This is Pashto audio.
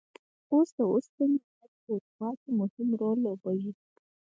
اوس د اوسپنې لارې په اروپا کې مهم رول لوبوي.